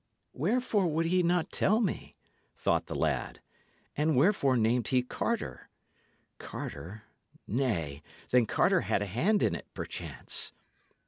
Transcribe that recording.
"Wherefore would he not tell me?" thought the lad. "And wherefore named he Carter? Carter nay, then Carter had a hand in it, perchance."